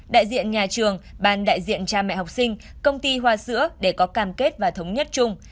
đại diện nhà trường ban đại diện cha mẹ học sinh công ty hoa sữa để có cam kết và thống nhất chung